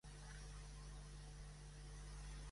El seu cognom és Barcos: be, a, erra, ce, o, essa.